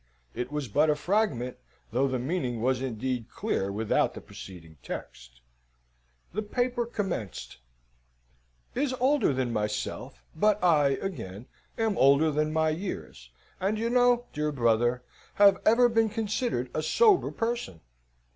It was but a fragment, though the meaning was indeed clear without the preceding text. The paper commenced: "... is older than myself, but I, again, am older than my years; and you know, dear brother, have ever been considered a sober person.